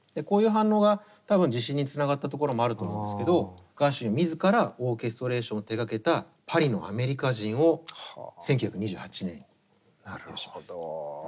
こういう反応が多分自信につながったところもあると思うんですけどガーシュウィン自らオーケストレーションを手がけた「パリのアメリカ人」を１９２８年に発表します。